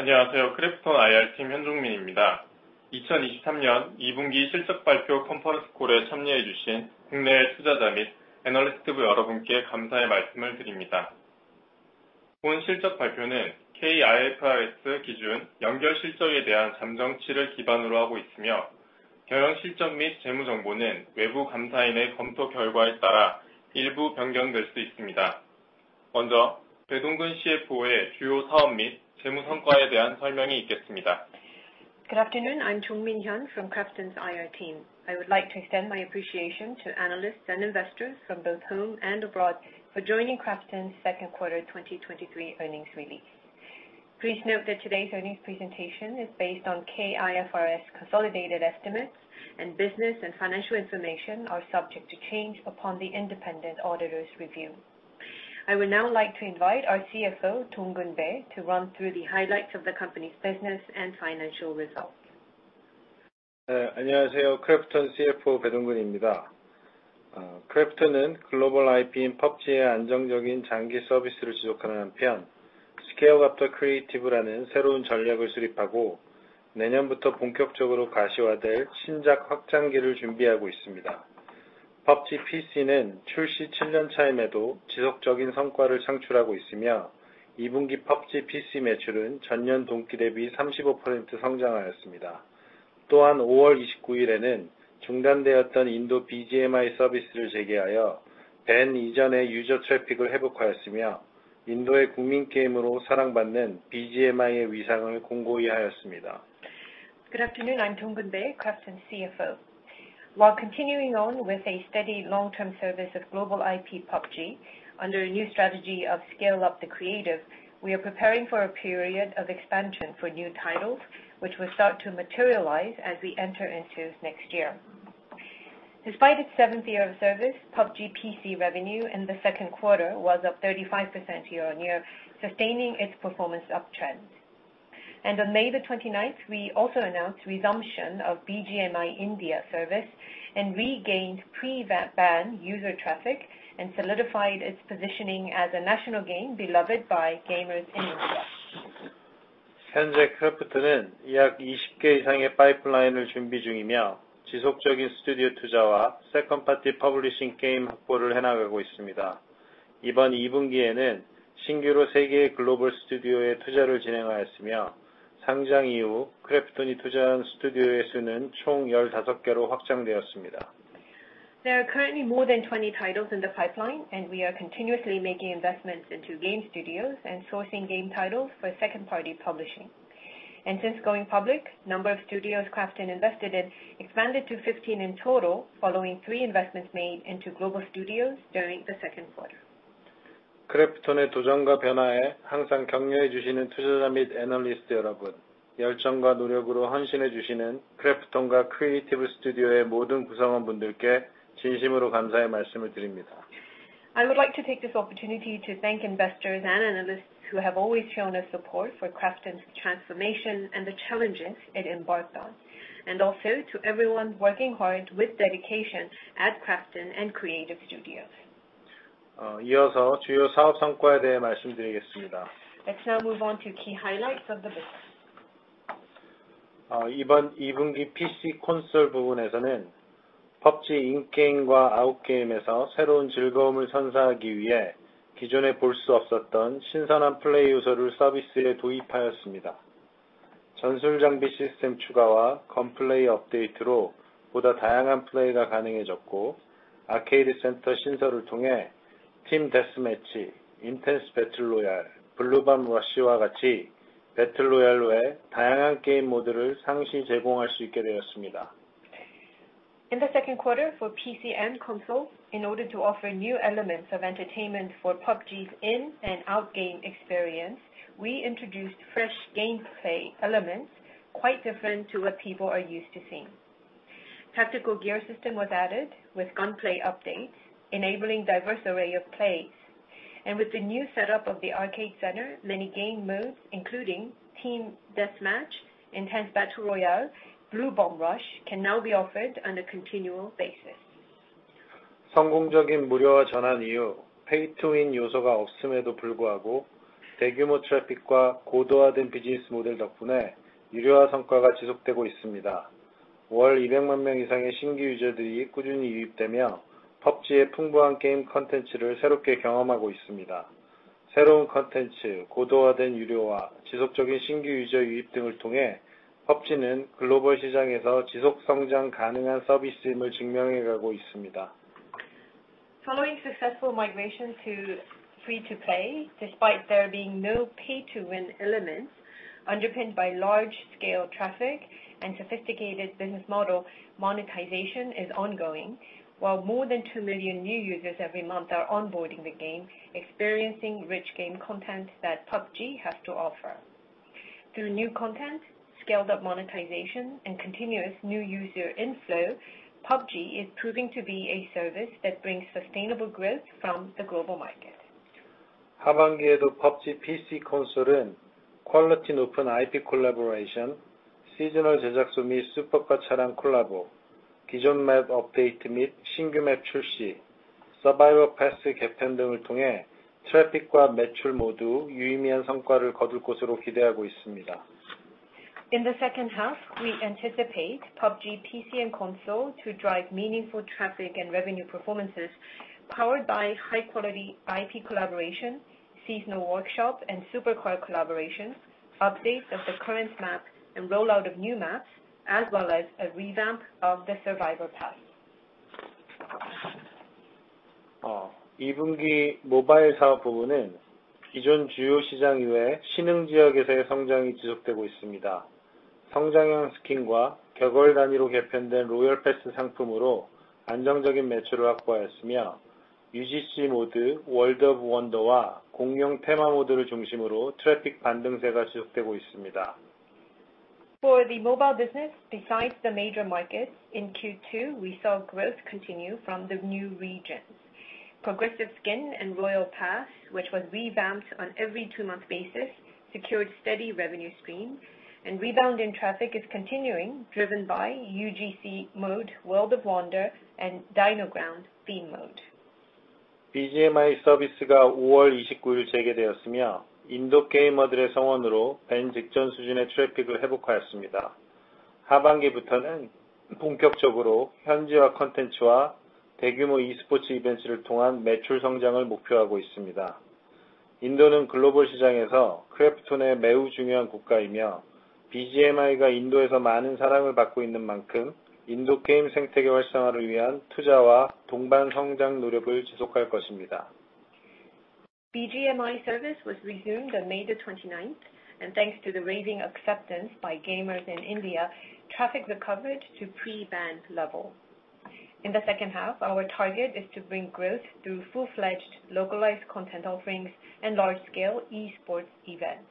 안녕하세요, 크래프톤 IR 팀 현종민입니다. 2023년 2분기 실적발표 컨퍼런스 콜에 참여해 주신 국내외 투자자 및 애널리스트 여러분께 감사의 말씀을 드립니다. 본 실적발표는 KIFRS 기준, 연결실적에 대한 잠정치를 기반으로 하고 있으며, 별항 실적 및 재무정보는 외부 감사인의 검토 결과에 따라 일부 변경될 수 있습니다. 먼저 배동근 CFO의 주요 사업 및 재무 성과에 대한 설명이 있겠습니다. Good afternoon. I'm Jongmin Hyun from KRAFTON's IR team. I would like to extend my appreciation to analysts and investors from both home and abroad for joining KRAFTON's second quarter 2023 earnings release. Please note that today's earnings presentation is based on KIFRS consolidated estimates, and business and financial information are subject to change upon the independent auditor's review. I would now like to invite our CFO, Dongkeun Bae, to run through the highlights of the company's business and financial results. 안녕하세요. KRAFTON CFO Dongkeun Bae입니다. KRAFTON은 글로벌 IP인 PUBG의 안정적인 장기 서비스를 지속하는 한편, Scale-Up the Creative라는 새로운 전략을 수립하고, 내년부터 본격적으로 가시화될 신작 확장기를 준비하고 있습니다. PUBG PC는 출시 7년 차임에도 지속적인 성과를 창출하고 있으며, 2분기 PUBG PC 매출은 전년 동기 대비 35% 성장하였습니다. 또한 May 29th에는 중단되었던 India BGMI 서비스를 재개하여 ban 이전의 유저 트래픽을 회복하였으며, India의 국민 게임으로 사랑받는 BGMI의 위상을 공고히 하였습니다. Good afternoon. I'm Dongkeun Bae, KRAFTON's CFO. While continuing on with a steady long-term service of global IP, PUBG, under a new strategy of Scale-Up the Creative, we are preparing for a period of expansion for new titles, which will start to materialize as we enter into next year. Despite its seventh year of service, PUBG PC revenue in the second quarter was up 35% year-on-year, sustaining its performance uptrend. On May the 29th, we also announced resumption of BGMI India service, and regained pre-ban user traffic, and solidified its positioning as a national game, beloved by gamers in India. 현재 KRAFTON은 약 20개 이상의 파이프라인을 준비 중이며, 지속적인 스튜디오 투자와 세컨드 파티 퍼블리싱 게임 확보를 해나가고 있습니다. 이번 2Q에는 신규로 3개의 글로벌 스튜디오에 투자를 진행하였으며, 상장 이후 KRAFTON이 투자한 스튜디오의 수는 총 15개로 확장되었습니다. There are currently more than 20 titles in the pipeline, and we are continuously making investments into game studios and sourcing game titles for second-party publishing. Since going public, number of studios KRAFTON invested in expanded to 15 in total, following three investments made into global studios during the second quarter. 크래프톤의 도전과 변화에 항상 격려해 주시는 투자자 및 애널리스트 여러분, 열정과 노력으로 헌신해 주시는 크래프톤과 크리에이티브 스튜디오의 모든 구성원분들께 진심으로 감사의 말씀을 드립니다. I would like to take this opportunity to thank investors and analysts who have always shown their support for KRAFTON's transformation and the challenges it embarked on. Also to everyone working hard with dedication at KRAFTON and Creative Studios. 이어서 주요 사업 성과에 대해 말씀드리겠습니다. Let's now move on to key highlights of the business. 이번 이 분기 PC Console 부분에서는 PUBG 인게임과 아웃게임에서 새로운 즐거움을 선사하기 위해 기존에 볼수 없었던 신선한 플레이 요소를 서비스에 도입하였습니다. 전술 장비 시스템 추가와 건플레이 업데이트로 보다 다양한 플레이가 가능해졌고, 아케이드 센터 신설을 통해 Team Deathmatch, Intense Battle Royale, Bluebomb Rush와 같이 battle royale 외 다양한 게임 모드를 상시 제공할 수 있게 되었습니다. In the second quarter for PC and consoles, in order to offer new elements of entertainment for PUBG's in and out game experience, we introduced fresh gameplay elements, quite different to what people are used to seeing. Tactical gear system was added with gunplay updates, enabling diverse array of plays. With the new setup of the arcade center, many game modes, including Team Deathmatch, Intense Battle Royale, Bluebomb Rush, can now be offered on a continual basis. 성공적인 무료화 전환 이후 Pay to Win 요소가 없음에도 불구하고, 대규모 트래픽과 고도화된 비즈니스 모델 덕분에 유료화 성과가 지속되고 있습니다. 월2 million 명 이상의 신규 유저들이 꾸준히 유입되며, PUBG의 풍부한 게임 콘텐츠를 새롭게 경험하고 있습니다. 새로운 콘텐츠, 고도화된 유료화, 지속적인 신규 유저 유입 등을 통해 PUBG는 글로벌 시장에서 지속 성장 가능한 서비스임을 증명해 가고 있습니다. Following successful migration to free-to-play, despite there being no pay-to-win elements, underpinned by large-scale traffic and sophisticated business model, monetization is ongoing. While more than 2 million new users every month are onboarding the game, experiencing rich game content that PUBG has to offer. Through new content, scaled-up monetization, and continuous new user inflow, PUBG is proving to be a service that brings sustainable growth from the global market. 하반기에도 PUBG PC Console은 퀄리티 높은 IP 콜라보레이션, 시즈널 제작소 및 supercar 차량 콜라보, 기존 맵 업데이트 및 신규 맵 출시...... Survivor Pass ...” In the second half, we anticipate PUBG PC and console to drive meaningful traffic and revenue performances, powered by high quality IP collaboration, seasonal workshops, and supercar collaboration, updates of the current map, and rollout of new maps, as well as a revamp of the Survivor Pass. In the mobile business, besides the major markets in Q2, we saw growth continue from the new regions. Progressive Skin and Royale Pass, which was revamped on every 2-month basis, secured steady revenue stream, and rebound in traffic is continuing, driven by UGC Mode, World of Wonder, and Dinoground Theme Mode. BGMI service was resumed on May 29th, thanks to the raving acceptance by gamers in India, traffic recovered to pre-ban level. In the second half, our target is to bring growth through full-fledged localized content offerings and large-scale esports event.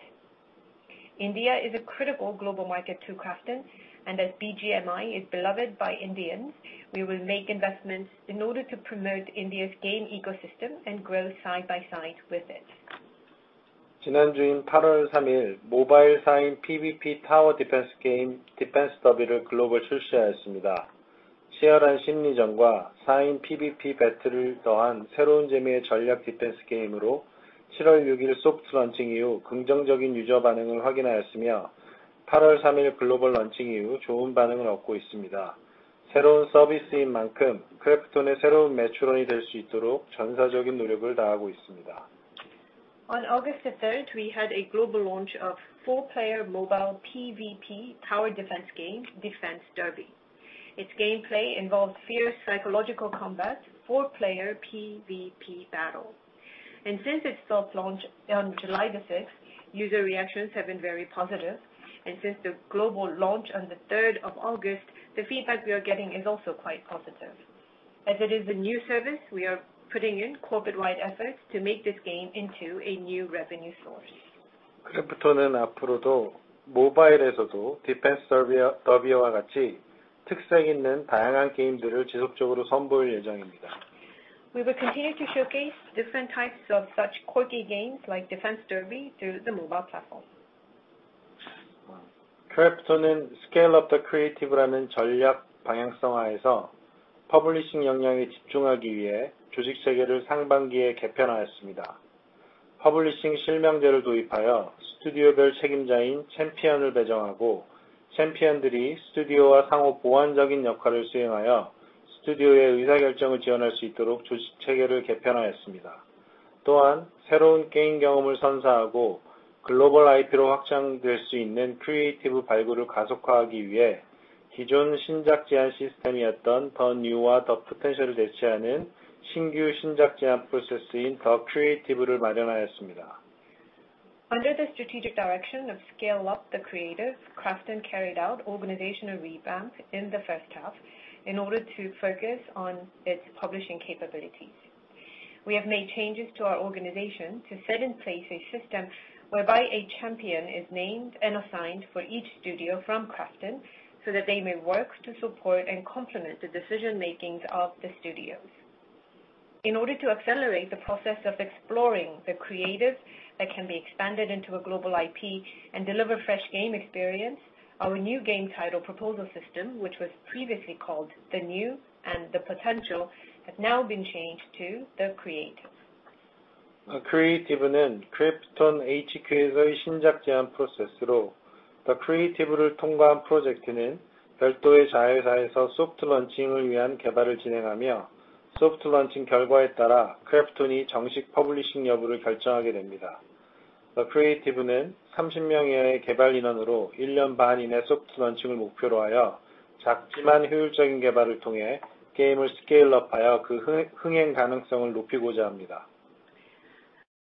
India is a critical global market to KRAFTON, as BGMI is beloved by Indians, we will make investments in order to promote India's game ecosystem and grow side by side with it. Last week, on August third, we had a global launch of four player mobile PVP tower defense game, Defense Derby, was globally launched. It is a new strategy defense game with fierce psychological warfare and four-player PVP battles. Since its soft launch on July 6th, user reactions have been very positive, since the global launch on the 3rd of August, the feedback we are getting is also quite positive. As it is a new service, we are putting in corporate-wide efforts to make this game into a new revenue source. KRAFTON will continue to showcase different types of such quirky games like Defense Derby through the mobile platform. We will continue to showcase different types of such quirky games like Defense Derby through the mobile platform. Under the strategic direction of Scale-Up the Creative, KRAFTON carried out organizational revamp in the first half in order to focus on its publishing capabilities. We have made changes to our organization to set in place a system whereby a champion is named and assigned for each studio from KRAFTON, so that they may work to support and complement the decision-makings of the studios. In order to accelerate the process of exploring the creative that can be expanded into a global IP and deliver fresh game experience, our new game title proposal system, which was previously called The New and The Potential, has now been changed to The Creative. The Creative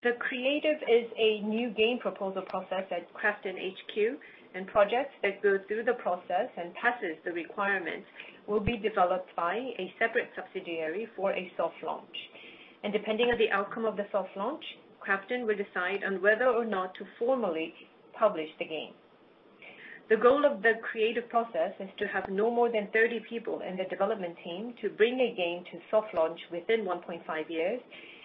The Creative is a new game proposal process at KRAFTON HQ. Projects that go through the process and passes the requirements will be developed by a separate subsidiary for a soft launch. Depending on the outcome of the soft launch, KRAFTON will decide on whether or not to formally publish the game. The goal of The Creative process is to have no more than 30 people in the development team to bring a game to soft launch within 1.5 years,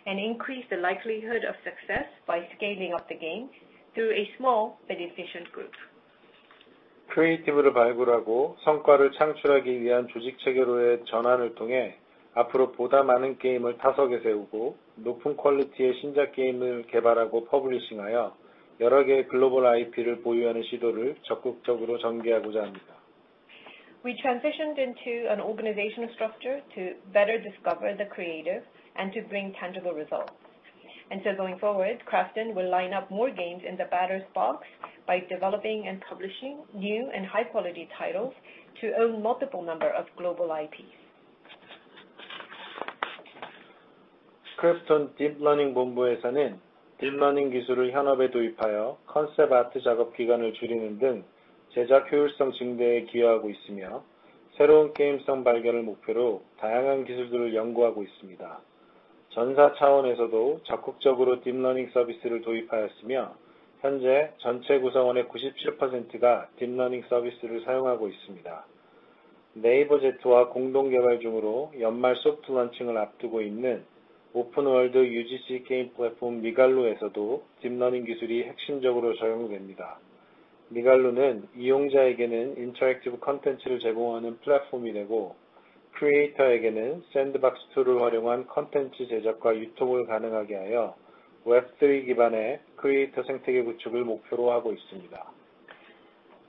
and increase the likelihood of success by scaling up the game through a small but efficient group. Creative를 발굴하고 성과를 창출하기 위한 조직 체계로의 전환을 통해, 앞으로 보다 많은 게임을 타석에 세우고, 높은 퀄리티의 신작 게임을 개발하고 퍼블리싱하여 여러 개의 글로벌 IP를 보유하는 시도를 적극적으로 전개하고자 합니다. We transitioned into an organizational structure to better discover The Creative and to bring tangible results. Going forward, KRAFTON will line up more games in the batter's box by developing and publishing new and high-quality titles to own multiple number of global IPs. KRAFTON Deep Learning Division, Deep Learning technology is being introduced to operations, contributing to increased production efficiency, such as reducing Concept Art production time, and researching various technologies with the goal of discovering new gameplay. The entire company has also actively adopted Deep Learning services, and currently 97% of all members are using Deep Learning services. Deep Learning technology is also critically applied in the open-world UGC game platform, Migaloo, which is being co-developed with NAVER Z and is scheduled for a soft launch at the end of the year. Migaloo becomes a platform that provides interactive content to users, and by enabling content creation and distribution using Sandbox tools for creators, it aims to build a Web3-based creator ecosystem.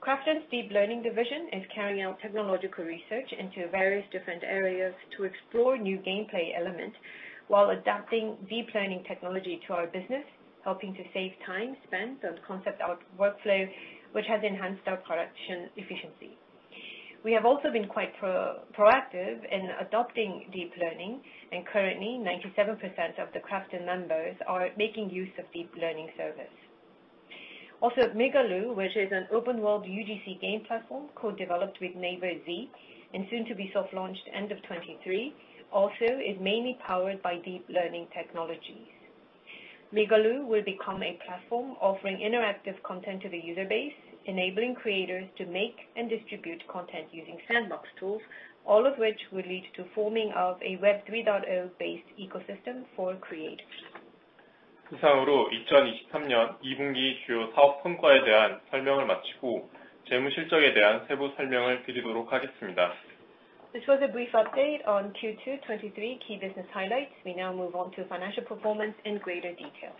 KRAFTON's Deep Learning Division is carrying out technological research into various different areas to explore new gameplay elements while adapting deep learning technology to our business, helping to save time spent on concept art workflow, which has enhanced our production efficiency. We have also been quite proactive in adopting deep learning, and currently, 97% of the KRAFTON members are making use of deep learning service. Migaloo, which is an open world UGC game platform co-developed with Naver Z and soon to be soft launched end of 2023, also is mainly powered by deep learning technologies. Migaloo will become a platform offering interactive content to the user base, enabling creators to make and distribute content using Sandbox tools, all of which will lead to forming of a Web 3.0 based ecosystem for creators. This was a brief update on Q2 2023 key business highlights. We now move on to financial performance in greater detail.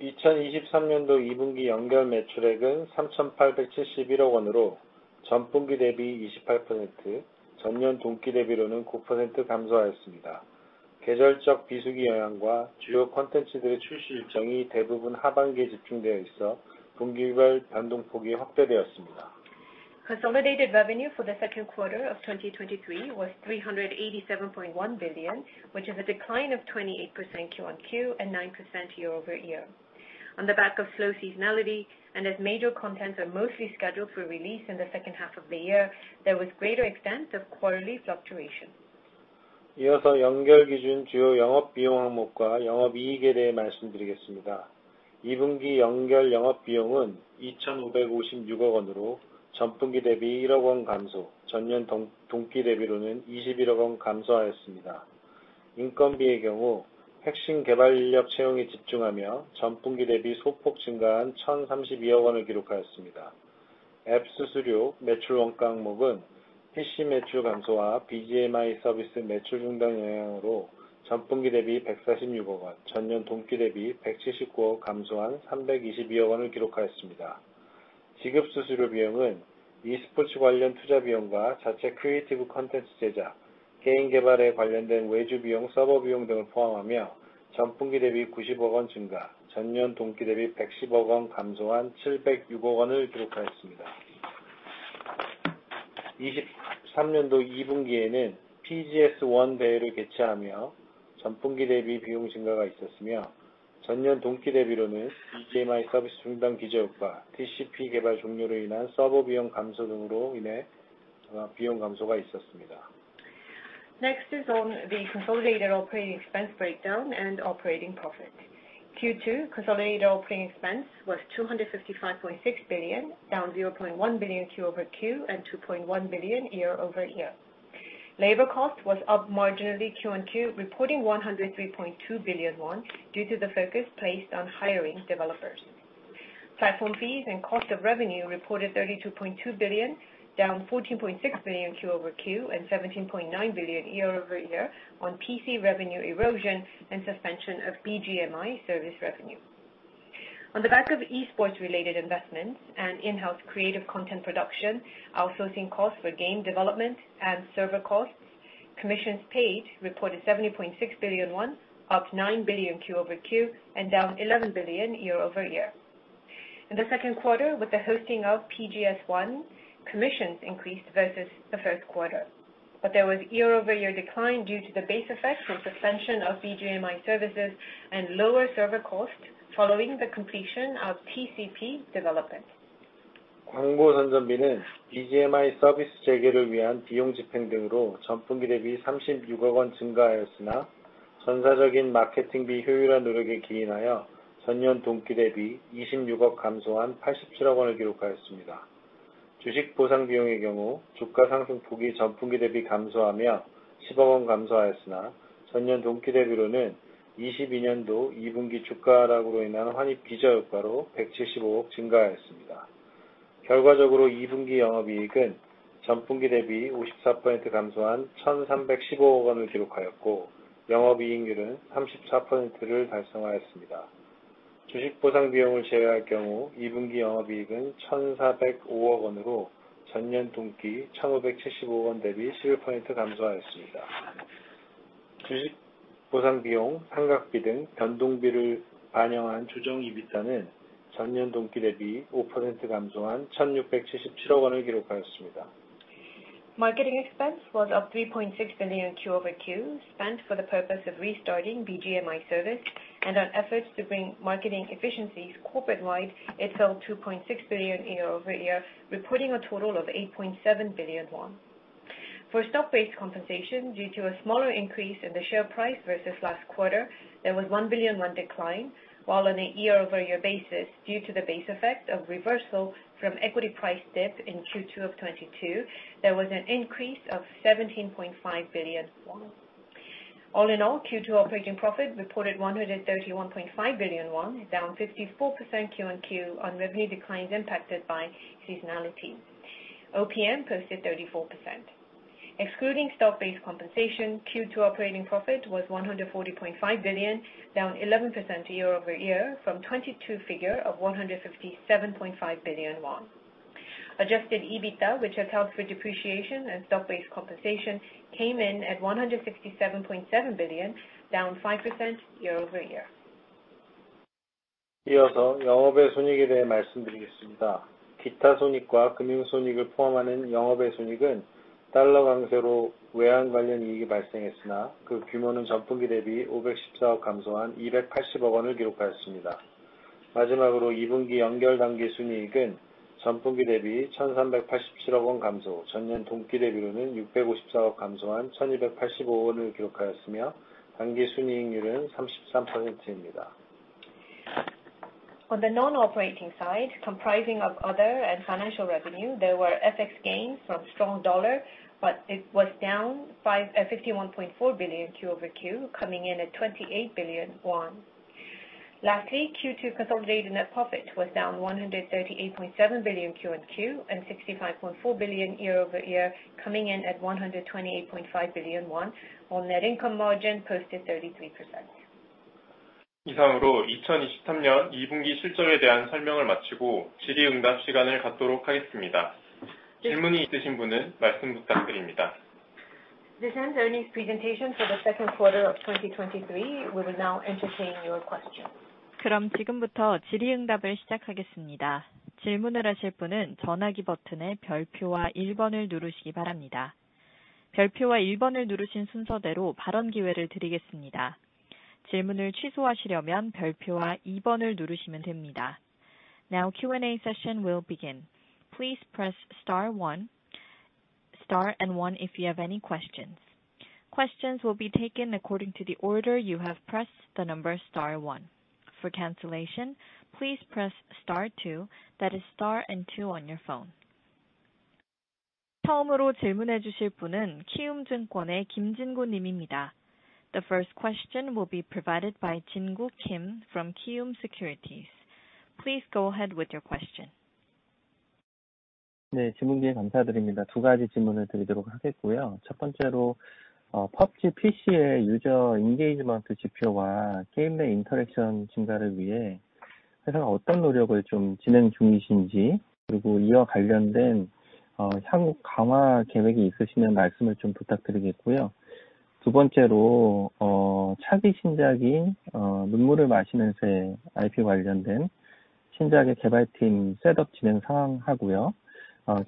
2023년도 2분기 연결 매출액은 387.1 billion으로 전분기 대비 28%, 전년 동기 대비로는 9% 감소하였습니다. 계절적 비수기 영향과 주요 콘텐츠들의 출시 일정이 대부분 하반기에 집중되어 있어 분기별 변동폭이 확대되었습니다. Consolidated revenue for the second quarter of 2023 was $387.1 billion, which is a decline of 28% Q on Q and 9% year-over-year. As major contents are mostly scheduled for release in the second half of the year, there was greater extent of quarterly fluctuation. 이어서 연결 기준 주요 영업 비용 항목과 영업 이익에 대해 말씀드리겠습니다. 2분기 연결 영업 비용은 255.6 billion으로 전분기 대비 100 million 감소, 전년 동기 대비로는 2.1 billion 감소하였습니다. 인건비의 경우, 핵심 개발 인력 채용에 집중하며 전분기 대비 소폭 증가한 103.2 billion을 기록하였습니다. 앱 수수료, 매출 원가 항목은 PC 매출 감소와 BGMI 서비스 매출 중단 영향으로 전분기 대비 14.6 billion, 전년 동기 대비 17.9 billion 감소한 32.2 billion을 기록하였습니다. 지급 수수료 비용은 e-스포츠 관련 투자 비용과 자체 Creative 콘텐츠 제작, 게임 개발에 관련된 외주 비용, 서버 비용 등을 포함하며, 전분기 대비 9 billion 증가, 전년 동기 대비 11 billion 감소한 70.6 billion을 기록하였습니다. 2023 2Q에는 PGS 1 대회를 개최하며 전분기 대비 비용 증가가 있었으며, 전년 동기 대비로는 EGMI 서비스 중단 기저효과, TCP 개발 종료로 인한 서버 비용 감소 등으로 인해 비용 감소가 있었습니다. Next is on the consolidated operating expense breakdown and operating profit. Q2 consolidated operating expense was 255.6 billion, down 0.1 billion Q-over-Q, and 2.1 billion year-over-year. Labor cost was up marginally Q on Q, reporting 103.2 billion won, due to the focus placed on hiring developers. Platform fees and cost of revenue reported 32.2 billion, down 14.6 billion Q-over-Q, and 17.9 billion year-over-year on PC revenue erosion and suspension of BGMI service revenue. On the back of esports-related investments and in-house creative content production, outsourcing costs for game development and server costs, commissions paid reported 70.6 billion won, up 9 billion Q-over-Q, and down 11 billion year-over-year. In the second quarter, with the hosting of PGS 1, commissions increased versus the first quarter, but there was year-over-year decline due to the base effect from suspension of BGMI services and lower server costs following the completion of TCP development. 광고 선전비는 BGMI 서비스 재개를 위한 비용 집행 등으로 전분기 대비 3.6 billion 증가하였으나, 전사적인 마케팅비 효율화 노력에 기인하여 전년 동기 대비 2.6 billion 감소한 8.7 billion을 기록하였습니다. 주식보상 비용의 경우 주가 상승폭이 전분기 대비 감소하며 1 billion 감소하였으나, 전년 동기 대비로는 2022 2Q 주가 하락으로 인한 환입 비저 효과로 17.5 billion 증가하였습니다. 결과적으로 2Q 영업이익은 전분기 대비 54% 감소한 131.5 billion을 기록하였고, 영업이익률은 34%를 달성하였습니다. 주식보상 비용을 제외할 경우 2Q 영업이익은 140.5 billion으로 전년 동기 KRW 157.5 billion 대비 11% 감소하였습니다. 주식 보상비용, 상각비 등 변동비를 반영한 조정 EBITDA는 전년 동기 대비 5% 감소한 167.7 billion을 기록하였습니다. Marketing expense was up 3.6 billion Q-over-Q, spent for the purpose of restarting BGMI service and on efforts to bring marketing efficiencies corporate-wide, it fell 2.6 billion year-over-year, reporting a total of 8.7 billion won. For stock-based compensation, due to a smaller increase in the share price versus last quarter, there was 1 billion decline, while on a year-over-year basis, due to the base effect of reversal from equity price dip in Q2 of 2022, there was an increase of KRW 17.5 billion. All in all, Q2 operating profit reported 131.5 billion won, down 54% Q on Q on revenue declines impacted by seasonality. OPM posted 34%. Excluding stock-based compensation, Q2 operating profit was 140.5 billion, down 11% year-over-year from 2022 figure of 157.5 billion won. Adjusted EBITDA, which accounts for depreciation and stock-based compensation, came in at 167.7 billion, down 5% year-over-year. 이어서 영업외 손익에 대해 말씀드리겠습니다. 기타 손익과 금융손익을 포함하는 영업외 손익은 달러 강세로 외환 관련 이익이 발생했으나, 그 규모는 전분기 대비 51.4 billion 감소한 28 billion을 기록하였습니다. 마지막으로 2Q 연결당기 순이익은 전분기 대비 138.7 billion 감소, 전년 동기 대비로는 65.4 billion 감소한 KRW 1,285을 기록하였으며, 당기순이익률은 33%입니다. On the non-operating side, comprising of other and financial revenue, there were FX gains from strong dollar, it was down 51.4 billion Q-over-Q, coming in at 28 billion won. Lastly, Q2 consolidated net profit was down 138.7 billion Q-on-Q, and 65.4 billion year-over-year, coming in at 128.5 billion won, while net income margin posted 33%. 이상으로 2023년 2분기 실적에 대한 설명을 마치고 질의응답 시간을 갖도록 하겠습니다. 질문이 있으신 분은 말씀 부탁드립니다. This ends earnings presentation for the second quarter of 2023. We will now entertain your questions. 그럼 지금부터 질의응답을 시작하겠습니다. 질문을 하실 분은 전화기 버튼의 별표와 일번을 누르시기 바랍니다. 별표와 일번을 누르신 순서대로 발언 기회를 드리겠습니다. 질문을 취소하시려면 별표와 이번을 누르시면 됩니다. Now, Q&A session will begin. Please press star one, star and one if you have any questions. Questions will be taken according to the order you have pressed the number star one. For cancellation, please press star two, that is star and two on your phone. 처음으로 질문해 주실 분은 Kiwoom Securities의 Jingu Kim님입니다. The first question will be provided by Jingu Kim from Kiwoom Securities. Please go ahead with your question. 네, 질문 기회 감사드립니다. 두 가지 질문을 드리도록 하겠고요. 첫 번째로, PUBG PC의 User Engagement 지표와 게임 내 Interaction 증가를 위해 회사가 어떤 노력을 좀 진행 중이신지, 그리고 이와 관련된, 향후 강화 계획이 있으시면 말씀을 좀 부탁드리겠고요. 두 번째로, 차기 신작인, 눈물을 마시는 새 IP 관련된 신작의 개발팀 셋업 진행 상황하고요,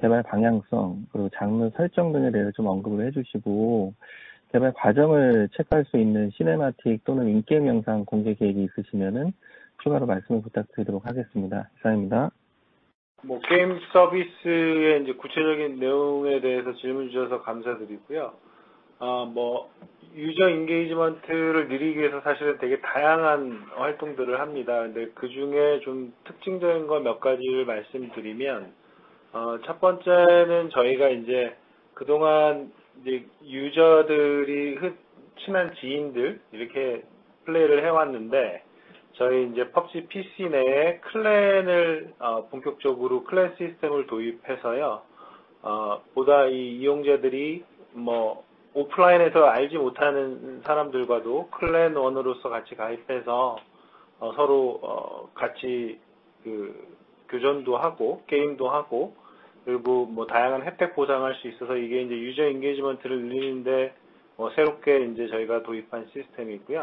개발 방향성 그리고 장르 설정 등에 대해서 좀 언급을 해주시고, 개발 과정을 체크할 수 있는 시네마틱 또는 인게임 영상 공개 계획이 있으시면은 추가로 말씀을 부탁드리도록 하겠습니다. 감사합니다. 게임 서비스의 이제 구체적인 내용에 대해서 질문을 주셔서 감사드리고요. User Engagement를 늘이기 위해서 사실은 되게 다양한 활동들을 합니다. 그중에 좀 특징적인 거몇 가지를 말씀드리면, 첫 번째는 저희가 이제 그동안 이제 유저들이 친한 지인들, 이렇게 플레이를 해왔는데, 저희 이제 PUBG PC 내에 클랜을, 본격적으로 클랜 시스템을 도입해서요, 보다 이 이용자들이 오프라인에서 알지 못하는 사람들과도 클랜원으로서 같이 가입해서, 서로 같이 그 교전도 하고, 게임도 하고, 그리고 다양한 혜택 보상할 수 있어서 이게 이제 User Engagement를 늘리는데 새롭게 이제 저희가 도입한 시스템이고요.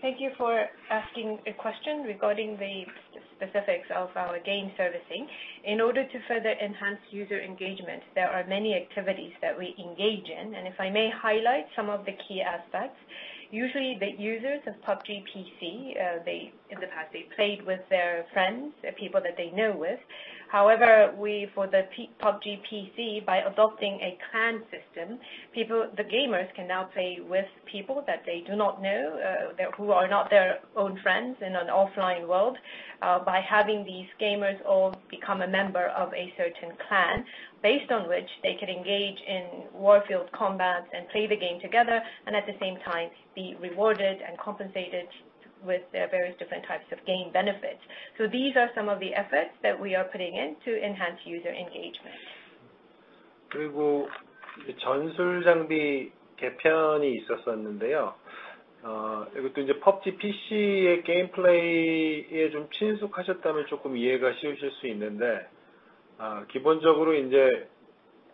Thank you for asking a question regarding the specifics of our game servicing. In order to further enhance user engagement, there are many activities that we engage in. If I may highlight some of the key aspects, usually the users of PUBG PC, they in the past, they played with their friends and people that they know with. However, we for the PUBG PC, by adopting a clan system, people, the gamers can now play with people that they do not know, that who are not their own friends in an offline world. By having these gamers all become a member of a certain clan, based on which they can engage in warfield combats and play the game together, and at the same time be rewarded and compensated with their various different types of game benefits. These are some of the efforts that we are putting in to enhance user engagement. 전술 장비 개편이 있었었는데요. 이것도 이제 PUBG PC의 게임 플레이에 좀 친숙하셨다면 조금 이해가 쉬우실 수 있는데, 기본적으로 이제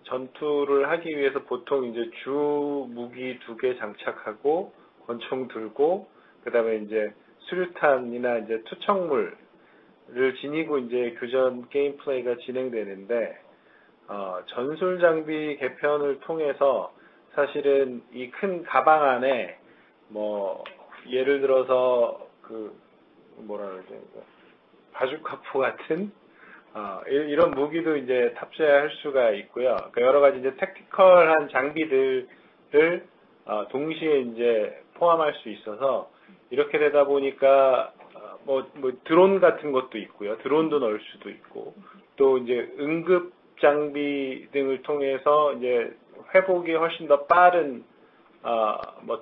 전투를 하기 위해서 보통 이제 주 무기 2개 장착하고, 권총 들고, 그다음에 이제 수류탄이나 이제 투척물을 지니고 이제 교전 게임 플레이가 진행되는데, 전술 장비 개편을 통해서 사실은 이큰 가방 안에 뭐 예를 들어서, 그 뭐라 그래야 되나? 바주카포 같은, 이런 무기도 이제 탑재할 수가 있고요. 여러 가지 이제 택티컬한 장비들을 동시에 이제 포함할 수 있어서 이렇게 되다 보니까, 드론 같은 것도 있고요. 드론도 넣을 수도 있고, 또 이제 응급 장비 등을 통해서 이제 회복이 훨씬 더 빠른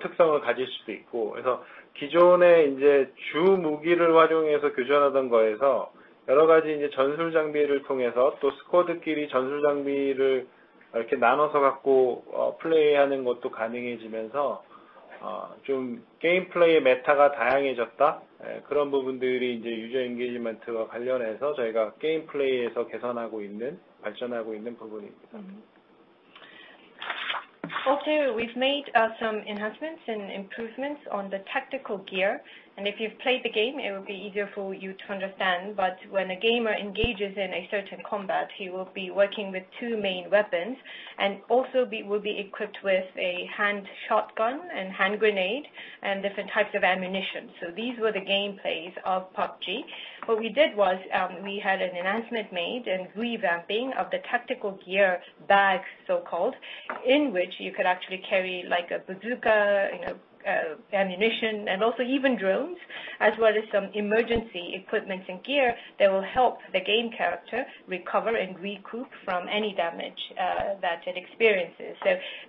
특성을 가질 수도 있고. 기존에 이제 주 무기를 활용해서 교전하던 거에서 여러 가지 이제 전술 장비를 통해서, 또 스쿼드끼리 전술 장비를 이렇게 나눠서 갖고, 플레이하는 것도 가능해지면서, 좀 게임 플레이의 메타가 다양해졌다. 예, 그런 부분들이 이제 유저 인게이지먼트와 관련해서 저희가 게임 플레이에서 개선하고 있는, 발전하고 있는 부분입니다. We've made some enhancements and improvements on the tactical gear, and if you've played the game, it will be easier for you to understand. When a gamer engages in a certain combat, he will be working with two main weapons and also be, will be equipped with a hand shotgun and hand grenade and different types of ammunition. These were the gameplays of PUBG. What we did was, we had an enhancement made and revamping of the tactical gear bag, so-called, in which you could actually carry like a bazooka, you know, ammunition, and also even drones, as well as some emergency equipment and gear that will help the game character recover and recoup from any damage that it experiences.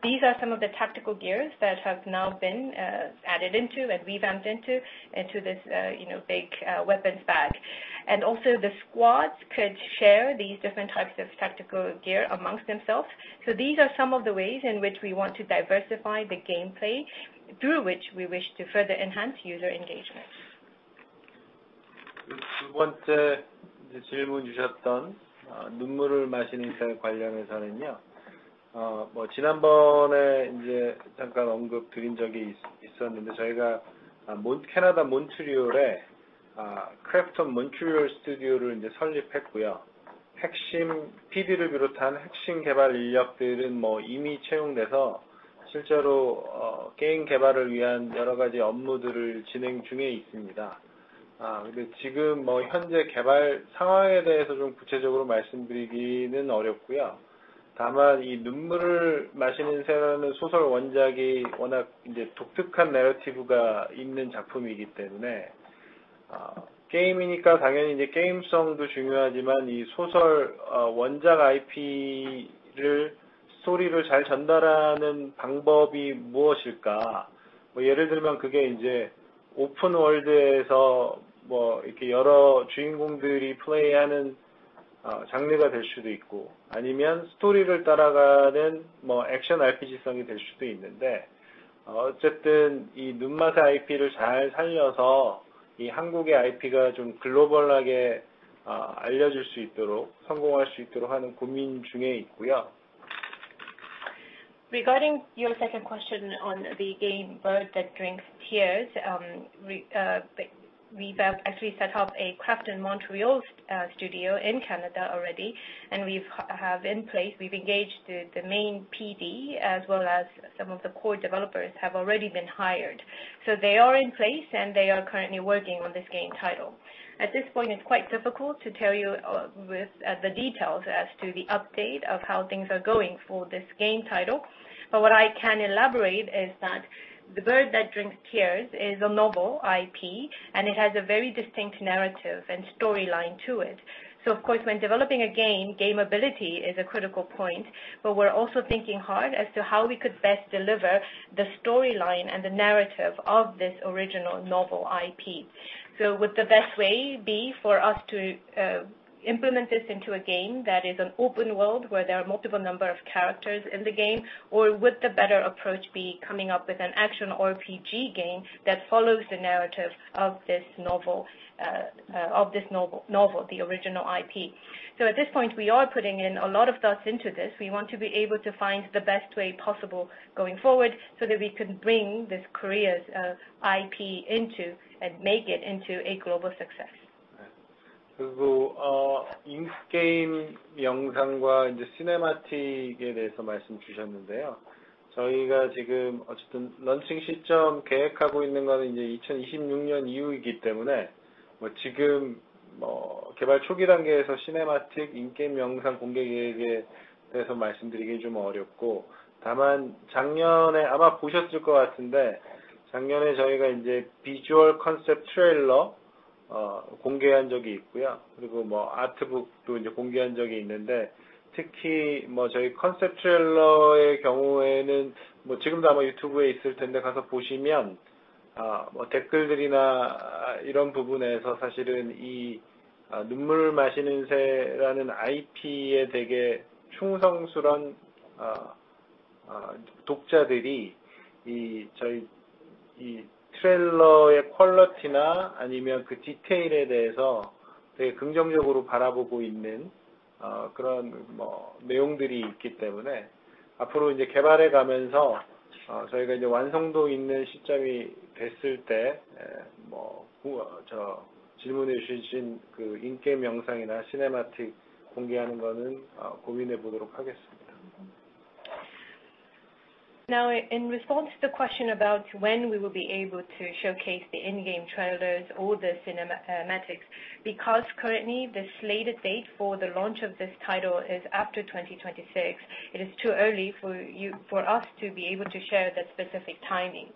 These are some of the tactical gears that have now been added into and revamped into, into this, you know, big weapons bag. Also the squads could share these different types of tactical gear amongst themselves. These are some of the ways in which we want to diversify the gameplay, through which we wish to further enhance user engagement. Second 이제 질문 주셨던 눈물을 마시는 새 관련해서는요. 뭐, 지난번에 이제 잠깐 언급 드린 적이 있었는데, 저희가 캐나다 몬트리올에 크래프톤 몬트리올 스튜디오를 이제 설립했고요. 핵심 PD를 비롯한 핵심 개발 인력들은 뭐, 이미 채용돼서 실제로 게임 개발을 위한 여러 가지 업무들을 진행 중에 있습니다. 지금 뭐, 현재 개발 상황에 대해서 좀 구체적으로 말씀드리기는 어렵고요. 다만, 이 눈물을 마시는 새라는 소설 원작이 워낙 이제 독특한 내러티브가 있는 작품이기 때문에, 게임이니까 당연히 이제 게임성도 중요하지만, 이 소설 원작 IP를 스토리를 잘 전달하는 방법이 무엇일까? 뭐, 예를 들면, 그게 이제 오픈월드에서 뭐, 이렇게 여러 주인공들이 플레이하는 장르가 될 수도 있고, 아니면 스토리를 따라가는 뭐, 액션 RPG성이 될 수도 있는데, 어쨌든 이 눈마새 IP를 잘 살려서, 이 한국의 IP가 좀 글로벌하게 알려질 수 있도록, 성공할 수 있도록 하는 고민 중에 있고요. Regarding your second question on the game, The Bird That Drinks Tears. We've actually set up a KRAFTON Montreal Studio in Canada already, and we've have in place, we've engaged the main PD as well as some of the core developers have already been hired. They are in place, and they are currently working on this game title. At this point, it's quite difficult to tell you, with, the details as to the update of how things are going for this game title. What I can elaborate is that The Bird That Drinks Tears is a novel IP, and it has a very distinct narrative and storyline to it. Of course, when developing a game, game ability is a critical point, but we're also thinking hard as to how we could best deliver the storyline and the narrative of this original novel IP. Would the best way be for us to implement this into a game that is an open world, where there are multiple number of characters in the game? Or would the better approach be coming up with an action RPG game that follows the narrative of this novel, novel, the original IP. At this point, we are putting in a lot of thoughts into this. We want to be able to find the best way possible going forward, so that we can bring this Korea's IP into and make it into a global success. 인게임 영상과 이제 시네마틱에 대해서 말씀 주셨는데요. 저희가 지금 어쨌든 런칭 시점 계획하고 있는 거는 이제 2026년 이후이기 때문에, 뭐, 지금 뭐, 개발 초기 단계에서 시네마틱, 인게임 영상 공개 계획에 대해서 말씀드리기는 좀 어렵고, 다만 작년에 아마 보셨을 것 같은데, 작년에 저희가 이제 비주얼 콘셉트 트레일러 공개한 적이 있고요. 뭐 아트북도 이제 공개한 적이 있는데, 특히 뭐 저희 컨셉트레일러의 경우에는 뭐 지금도 아마 YouTube에 있을 텐데, 가서 보시면 아, 뭐 댓글들이나 이런 부분에서 사실은 이 눈물을 마시는 새라는 IP에 되게 충성스런 아, 아, 독자들이 이 저희 이 트레일러의 퀄리티나 아니면 그 디테일에 대해서 되게 긍정적으로 바라보고 있는 그런 뭐 내용들이 있기 때문에, 앞으로 이제 개발해 가면서 저희가 이제 완성도 있는 시점이 됐을 때, 예, 뭐 저, 질문해주신 그 인게임 영상이나 시네마틱 공개하는 거는 고민해 보도록 하겠습니다. Now, in response to the question about when we will be able to showcase the in-game trailers or the cinema, cinematics, because currently the slated date for the launch of this title is after 2026. It is too early for you, for us to be able to share that specific timing.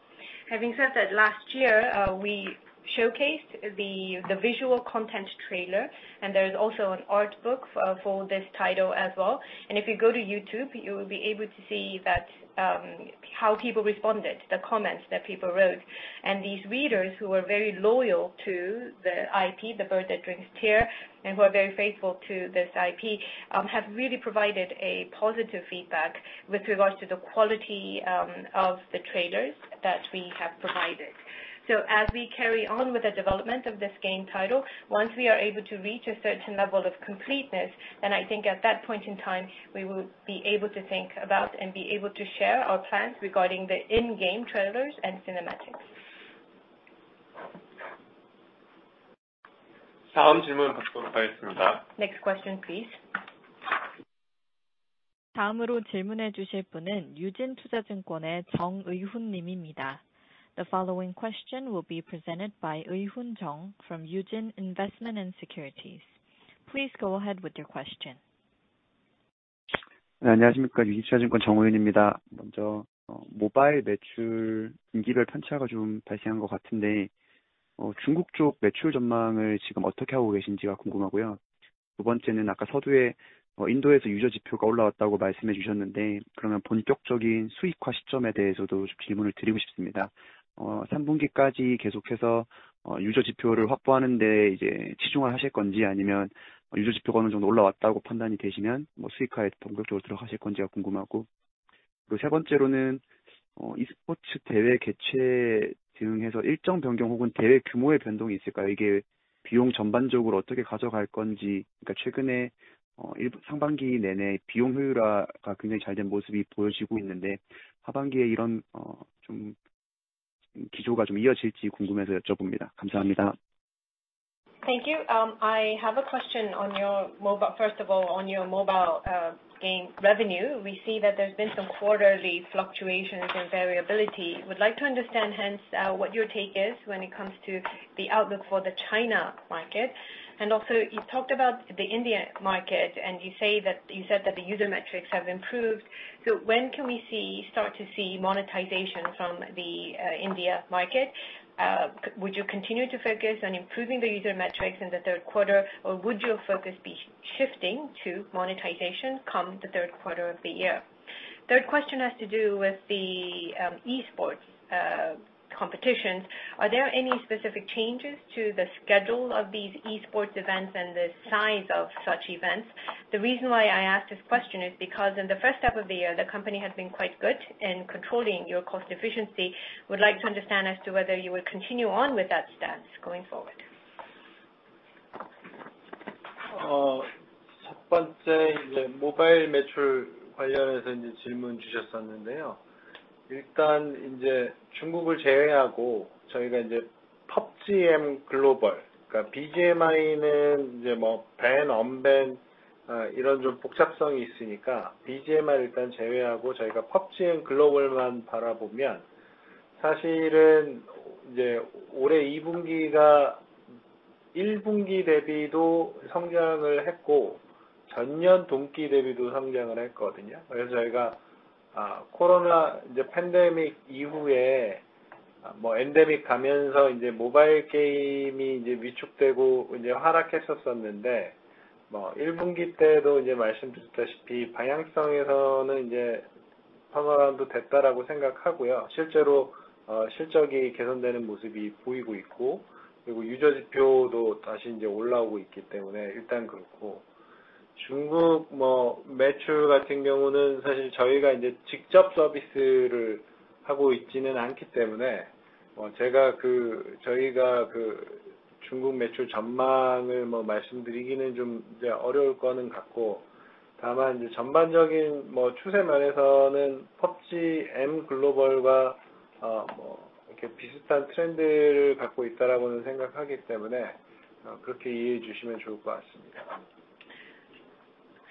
Having said that, last year, we showcased the, the visual content trailer, and there is also an art book for, for this title as well. If you go to YouTube, you will be able to see that, how people responded, the comments that people wrote. These readers who are very loyal to the IP, The Bird That Drinks Tears, and who are very faithful to this IP, have really provided a positive feedback with regards to the quality of the trailers that we have provided. As we carry on with the development of this game title, once we are able to reach a certain level of completeness, then I think at that point in time, we will be able to think about and be able to share our plans regarding the in-game trailers and cinematics. 다음 질문 받도록 하겠습니다. Next question, please. 다음으로 질문해 주실 분은 유진투자증권의 정의훈 님입니다. The following question will be presented by Ui-hoon Jeong from Eugene Investment & Securities. Please go ahead with your question. 네, 안녕하십니까? 유진투자증권 정우윤입니다. 먼저 어, 모바일 매출 분기별 편차가 좀 발생한 것 같은데, 어, 중국 쪽 매출 전망을 지금 어떻게 하고 계신지가 궁금하고요. 두 번째는 아까 서두에 어, 인도에서 유저 지표가 올라왔다고 말씀해 주셨는데, 그러면 본격적인 수익화 시점에 대해서도 좀 질문을 드리고 싶습니다. 어, 삼 분기까지 계속해서 어, 유저 지표를 확보하는 데 이제 치중을 하실 건지, 아니면 유저 지표가 어느 정도 올라왔다고 판단이 되시면, 뭐 수익화에 본격적으로 들어가실 건지가 궁금하고. 그리고 세 번째로는 어, e스포츠 대회 개최 등 해서 일정 변경 혹은 대회 규모의 변동이 있을까요? 이게 비용 전반적으로 어떻게 가져갈 건지. 그러니까 최근에 어, 일, 상반기 내내 비용 효율화가 굉장히 잘된 모습이 보여지고 있는데, 하반기에 이런 어, 좀 기조가 좀 이어질지 궁금해서 여쭤봅니다. 감사합니다. Thank you. I have a question on your mobile. First of all, on your mobile game revenue, we see that there's been some quarterly fluctuations and variability. Would like to understand, hence, what your take is when it comes to the outlook for the China market. Also, you talked about the India market, and you said that the user metrics have improved. When can we see, start to see monetization from the India market? Would you continue to focus on improving the user metrics in the third quarter, or would your focus be shifting to monetization come the third quarter of the year? Third question has to do with the eports competitions. Are there any specific changes to the schedule of these esports events and the size of such events? The reason why I asked this question is because in the first half of the year, the company has been quite good in controlling your cost efficiency. Would like to understand as to whether you will continue on with that stance going forward. 첫 번째, 모바일 매출 관련해서 질문 주셨었는데요. 일단 China를 제외하고, 저희가 PUBG Mobile 글로벌, 그러니까 BGMI는 ban, unban, 이런 좀 복잡성이 있으니까 BGMI 일단 제외하고, 저희가 PUBG Mobile 글로벌만 바라보면, 사실은 올해 2분기가 1분기 대비도 성장을 했고, 전년 동기 대비도 성장을 했거든요. 그래서 저희가 코로나 팬데믹 이후에 엔데믹 가면서 모바일 게임이 위축되고 하락했었었는데, 1분기 때도 말씀드렸다시피, 방향성에서는 평화도 됐다라고 생각하고요. 실제로 실적이 개선되는 모습이 보이고 있고, 그리고 유저 지표도 다시 올라오고 있기 때문에 일단 그렇고. 중국 매출 같은 경우는 사실 저희가 이제 직접 서비스를 하고 있지는 않기 때문에, 제가 저희가 중국 매출 전망을 말씀드리기는 좀 이제 어려울 거는 같고, 다만 이제 전반적인 추세 면에서는 PUBG Mobile 글로벌과 이렇게 비슷한 트렌드를 갖고 있다라고는 생각하기 때문에, 그렇게 이해해 주시면 좋을 것 같습니다.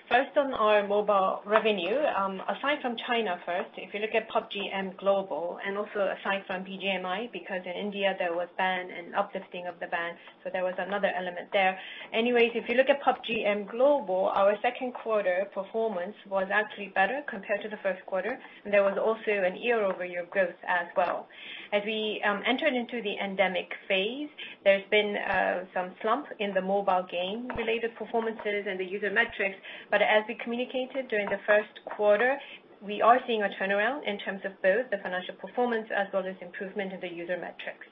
First, on our mobile revenue, aside from China, first, if you look at PUBG Mobile Global and also aside from BGMI, because in India, there was ban and uplifting of the bans, so there was another element there. Anyways, if you look at PUBG Mobile Global, our second quarter performance was actually better compared to the first quarter, and there was also an year-over-year growth as well. As we entered into the endemic phase, there's been some slump in the mobile game related performances and the user metrics. As we communicated during the first quarter, we are seeing a turnaround in terms of both the financial performance as well as improvement in the user metrics.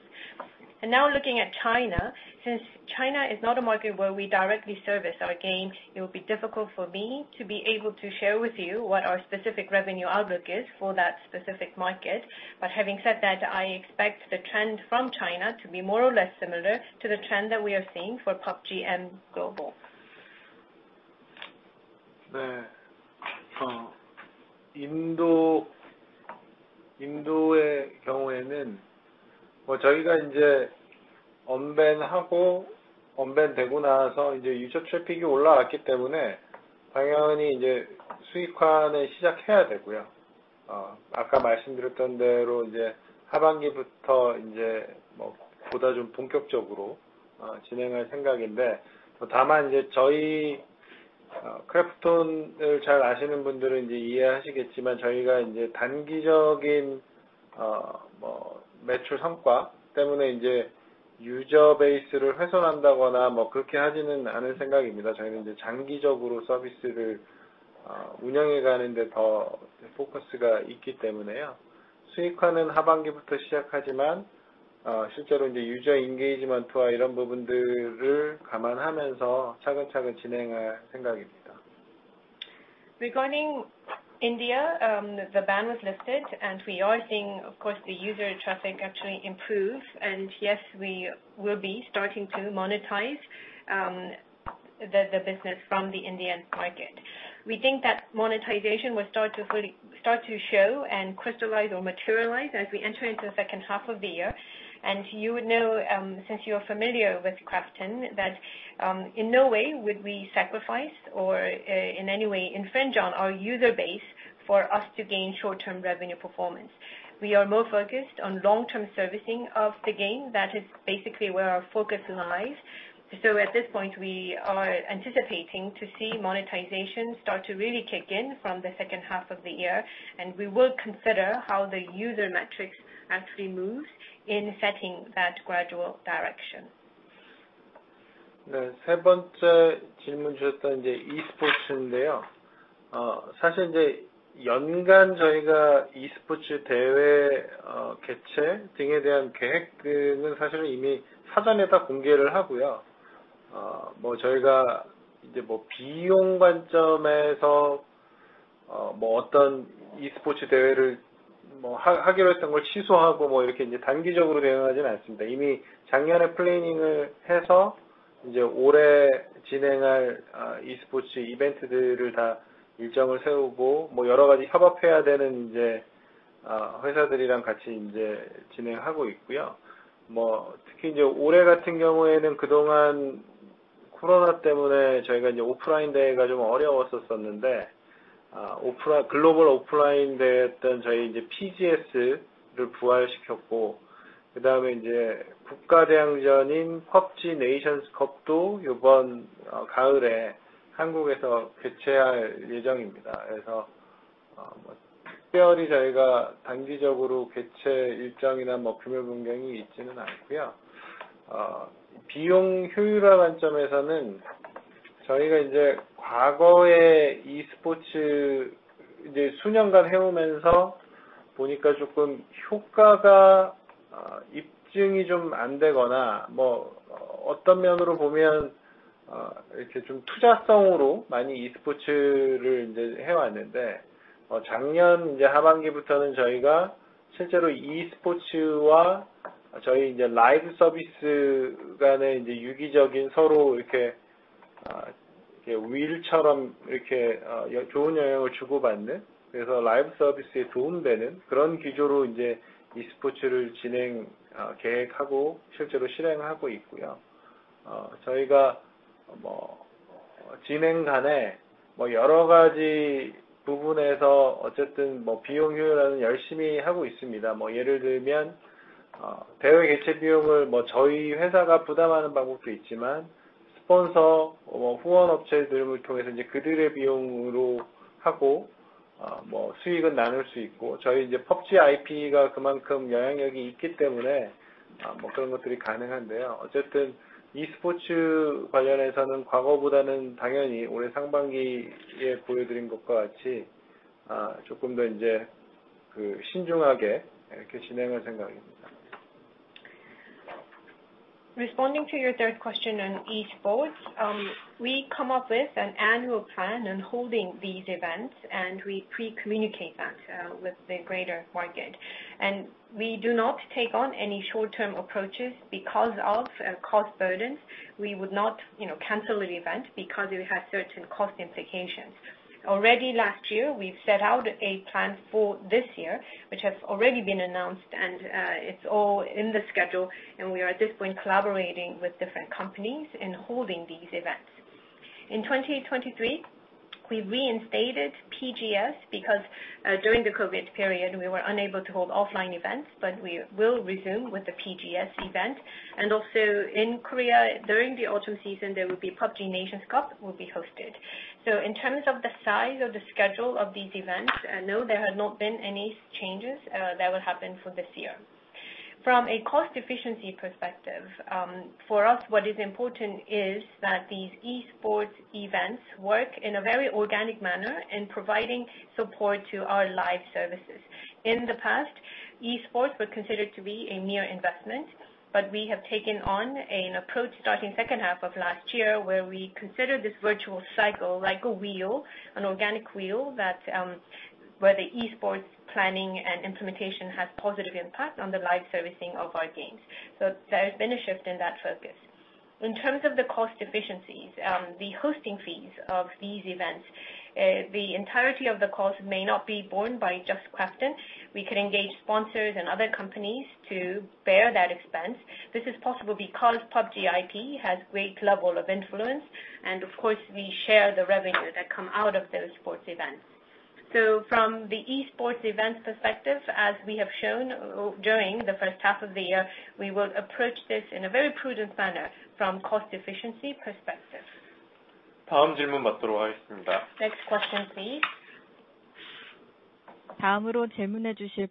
Now looking at China, since China is not a market where we directly service our game, it will be difficult for me to be able to share with you what our specific revenue outlook is for that specific market. Having said that, I expect the trend from China to be more or less similar to the trend that we are seeing for PUBG and global. In the in India, well, Regarding India, the ban was lifted, and of course the user traffic actually improved, and yes we will be starting to monetize the business from the Indian market. We think that monetization will start to show and crystalize or materialize as we enter the second half of the year. And you would know since you are familiar with KRAFTON that in no way would we sacrifice or in any way infringe on our user base for us to gain short-term revenue performance. We are more focused on long-term servicing of the game. That is basically where our focus lies. At this point, we are anticipating to see monetization start to really kick in from the second half of the year, and we will consider how the user metrics actually moves in setting that gradual direction. The third question you asked was about e-sports. In fact, we actually announce our annual plans for hosting e-sports events in advance. We do not act spontaneously, such as canceling an e-sports event that we had planned due to cost concerns. Last year, we planned all the e-sports events for this year, set the schedule, and are working with various partners. Especially this year, because of COVID, it was difficult to hold offline events. We revived our global offline event, PGS, and the national competition, PUBG Nations Cup, will be held in Korea this autumn. There are no special short-term changes or schedule adjustments. In terms of cost-effectiveness, we have been doing e-sports for several years, and we found that the effects were not well proven, or in some ways, we had invested a lot in e-sports. From the second half of last year, we actually planned e-sports and our live service to mutually benefit each other like gears, supporting the live service. That is the basis on which we are planning and executing e-sports. We are definitely making efforts in various aspects to be cost-effective during the process. For example, we could bear the cost of hosting the event ourselves, but we also use sponsors and donors to cover the costs, and we share the revenues. Since our PUBG IP has that much influence, such things are possible. In any case, regarding e-sports, compared to the past, as we showed in the first half of this year, we plan to proceed more cautiously. Responding to your third question on esports, we come up with an annual plan on holding these events, and we pre-communicate that with the greater market. We do not take on any short-term approaches because of cost burdens. We would not, you know, cancel an event because it has certain cost implications. Already last year, we've set out a plan for this year, which has already been announced, and it's all in the schedule, and we are at this point collaborating with different companies in holding these events. In 2023, we reinstated PGS, because during the COVID period, we were unable to hold offline events, but we will resume with the PGS event. Also in Korea, during the autumn season, there will be PUBG Nations Cup will be hosted. In terms of the size of the schedule of these events, no, there have not been any changes that will happen for this year. From a cost efficiency perspective, for us, what is important is that these esports events work in a very organic manner in providing support to our live services. In the past, esports were considered to be a mere investment, but we have taken on an approach starting second half of last year, where we consider this virtual cycle like a wheel, an organic wheel, that where the esports planning and implementation has positive impact on the live servicing of our games. There has been a shift in that focus. In terms of the cost efficiencies, the hosting fees of these events, the entirety of the cost may not be borne by just KRAFTON. We could engage sponsors and other companies to bear that expense. This is possible because PUBG IP has great level of influence, and of course, we share the revenue that come out of those sports events. From the esports events perspective, as we have shown during the first half of the year, we will approach this in a very prudent manner from cost efficiency perspective. Next question, please. The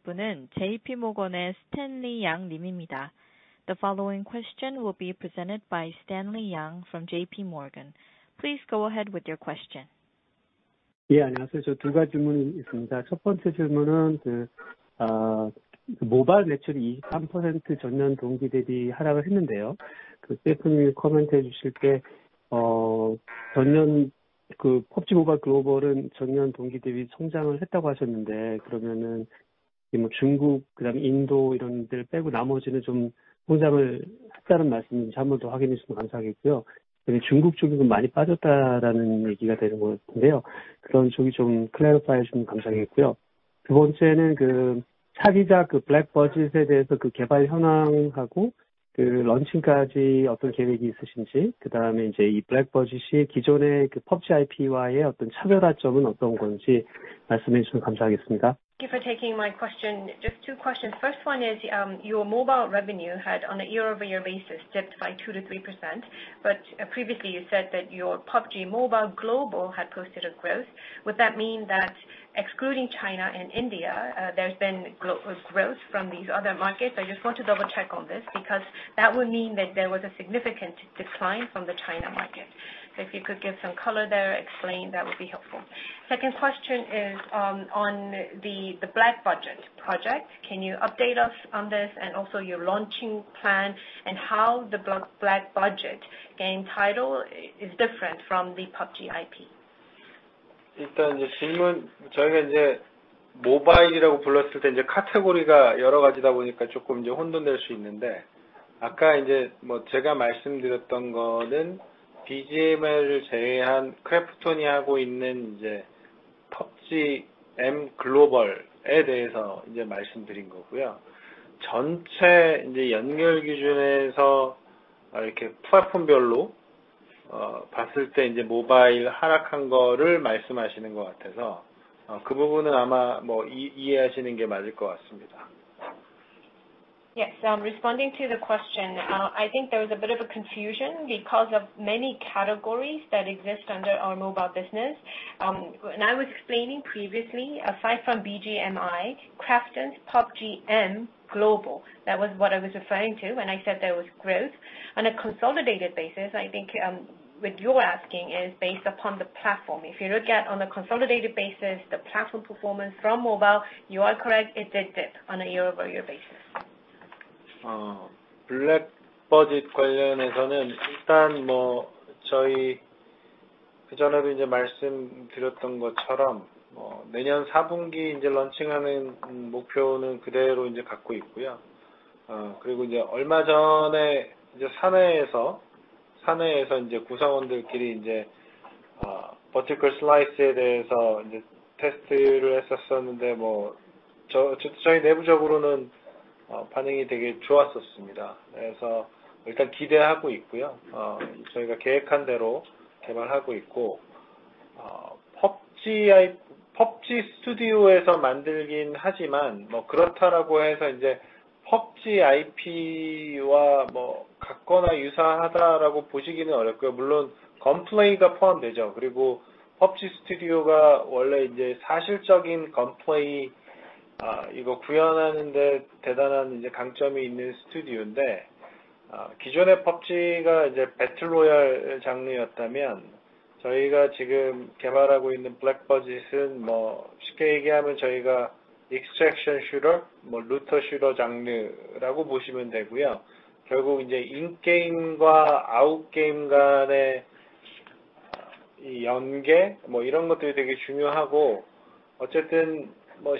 The following question will be presented by Stanley Yang from JPMorgan. Please go ahead with your question. Yeah, 안녕하세요, 저두 가지 질문 있습니다. 첫 번째 질문은, 그 모바일 매출이 23% year-over-year 하락을 했는데요. 그 CEO님이 comment 해 주실 때, 전년 그 PUBG Mobile Global은 year-over-year 성장을 했다고 하셨는데, 그러면은 뭐 China, 그다음 India 이런 데를 빼고 나머지는 좀 성장을 했다는 말씀인지 한번더 확인해 주시면 감사하겠고요. China 쪽에서 많이 빠졌다라는 얘기가 되는 것 같은데요. 그런 쪽이 좀 clarify 해주시면 감사하겠고요. 두 번째는 그 차기작, 그 Black Budget에 대해서 그 개발 현황하고, 그 launch까지 어떤 계획이 있으신지, 이제 이 Black Budget이 기존의 그 PUBG IP와의 어떤 차별화 점은 어떤 건지 말씀해 주시면 감사하겠습니다. Thank you for taking my question. Just two questions. First one is, your mobile revenue had, on a year-over-year basis, dipped by 2%-3%. Previously, you said that your PUBG Mobile Global had posted a growth. Would that mean that excluding China and India, there's been growth from these other markets? I just want to double check on this, because that would mean that there was a significant decline from the China market. If you could give some color there, explain, that would be helpful. Second question is, on the Black Budget project. Can you update us on this and also your launching plan and how the Black Budget game title is different from the PUBG IP? Yes, I'm responding Responding to the question, I think there was a bit of a confusion because of many categories that exist under our mobile business. I was explaining previously, aside from BGMI, KRAFTON's PUBG Mobile Global, that was what I was referring to when I said there was growth. On a consolidated basis, I think, what you're asking is based upon the platform. If you look at on a consolidated basis, the platform performance from mobile, you are correct, it did dip on a year-over-year basis. Black Budget 관련해서는 일단 뭐 저희 그전에도 이제 말씀드렸던 것처럼, 내년 Q4 이제 런칭하는 목표는 그대로 이제 갖고 있고요. 그리고 이제 얼마 전에 이제 사내에서, 사내에서 이제 구성원들끼리 이제, vertical slice에 대해서 이제 테스트를 했었었는데, 저희 내부적으로는, 반응이 되게 좋았었습니다. 그래서 일단 기대하고 있고요. 저희가 계획한 대로 개발하고 있고, PUBG IP, PUBG Studio에서 만들긴 하지만, 뭐 그렇다라고 해서 이제 PUBG IP와 뭐 같거나 유사하다라고 보시기는 어렵고요. 물론 gunplay가 포함되죠. PUBG Studio가 원래 이제 사실적인 gunplay, 이거 구현하는 데 대단한 이제 강점이 있는 스튜디오인데, 기존의 PUBG가 이제 battle royale 장르였다면, 저희가 지금 개발하고 있는 Black Budget은 뭐 쉽게 얘기하면, 저희가 extraction shooter, 뭐 looter shooter 장르라고 보시면 되고요. 이제 in-game과 out-game 간의, 이 연계, 뭐 이런 것들이 되게 중요하고,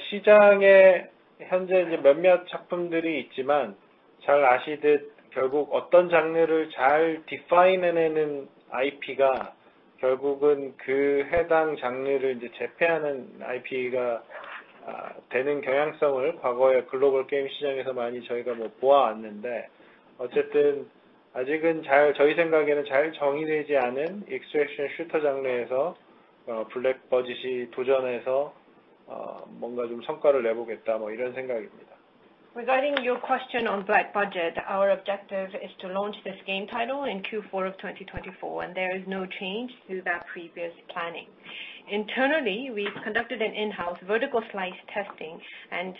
시장에 현재 이제 몇몇 작품들이 있지만, 잘 아시듯 결국 어떤 장르를 잘 define 해내는 IP가, 결국은 그 해당 장르를 이제 제패하는 IP가, 되는 경향성을 과거의 글로벌 게임 시장에서 많이 저희가 뭐 보아왔는데, 아직은 잘 저희 생각에는 잘 정의되지 않은 extraction shooter 장르에서, Black Budget이 도전해서, 뭔가 좀 성과를 내보겠다, 뭐 이런 생각입니다. Regarding your question on Black Budget, our objective is to launch this game title in Q4 of 2024. There is no change to that previous planning. Internally, we've conducted an in-house vertical slice testing.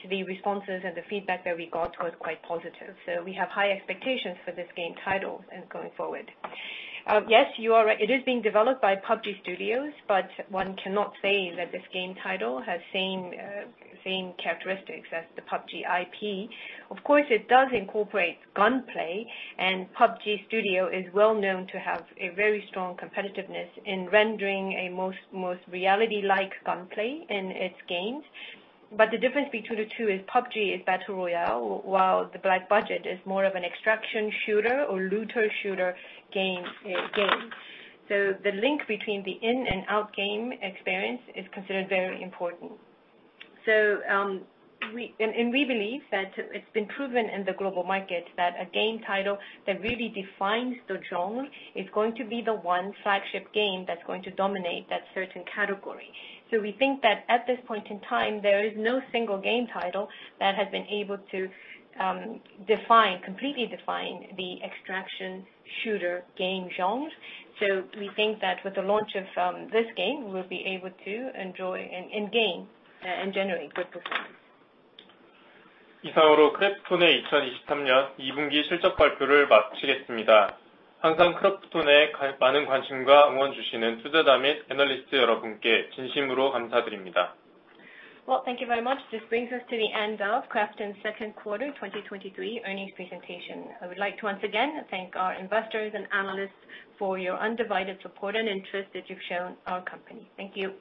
The responses and the feedback that we got was quite positive. We have high expectations for this game title and going forward. Yes, you are right. It is being developed by PUBG Studios. One cannot say that this game title has same characteristics as the PUBG IP. Of course, it does incorporate gunplay. PUBG Studios is well known to have a very strong competitiveness in rendering a most, most reality-like gunplay in its games. The difference between the two is PUBG is battle royale, while the Black Budget is more of an extraction shooter or looter shooter game, game. The link between the in-and-out game experience is considered very important. We believe that it's been proven in the global market that a game title that really defines the genre is going to be the one flagship game that's going to dominate that certain category. We think that at this point in time, there is no single game title that has been able to define, completely define the extraction shooter game genres. We think that with the launch of this game, we'll be able to enjoy and gain and generate good performance. Well, Well, thank you very much. This brings us to the end of KRAFTON's second quarter 2023 earnings presentation. I would like to once again thank our investors and analysts for your undivided support and interest that you've shown our company. Thank you.